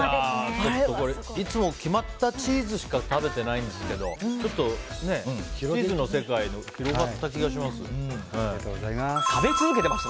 いつも決まったチーズしか食べてないんですけどちょっと、チーズの世界に触れられた気がします。